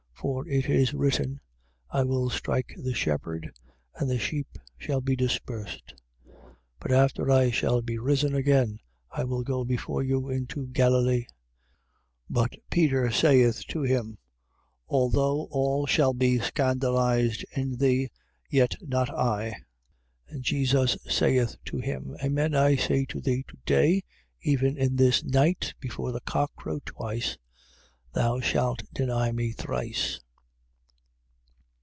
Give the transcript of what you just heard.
For it is written: I will strike the shepherd, and the sheep shall be dispersed. 14:28. But after I shall be risen again, I will go before you into Galilee. 14:29. But Peter saith to him: Although all shall be scandalized in thee, yet not I. 14:30. And Jesus saith to him: Amen I say to thee, to day, even in this night, before the cock crow twice, thou shalt deny me thrice.